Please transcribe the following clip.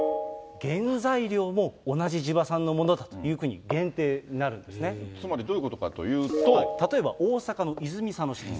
原材料も同じ地場産のものだというふうに、限定になるんですつまりどういうことかという例えば大阪の泉佐野市です。